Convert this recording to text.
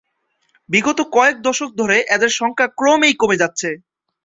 বিগত কয়েক দশক ধরে এদের সংখ্যা ক্রমেই কমে যাচ্ছে।